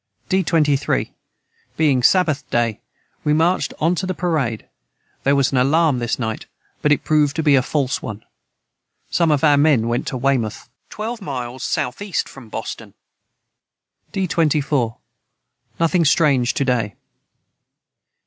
D 23. Being Sabath day we marched on to the parade their was an alarm this night but it prouved to be a falce one Some of our men went to Weymoth. [Footnote 107: Twelve miles southeast from Boston.] D 24. Nothing strange to day.